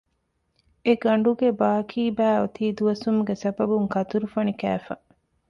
އެ ގަނޑުގެ ބާކީބައި އޮތީ ދުވަސްވުމުގެ ސަބަބުން ކަތުރުފަނި ކައިފަ